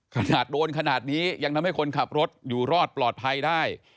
ขนาดโดนขนาดนี้ยังทำให้คนขับรถอยู่รอดปลอดภัยได้